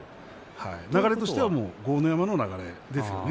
流れとしては豪ノ山の流れですよね。